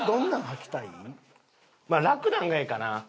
まあ楽なんがええかな。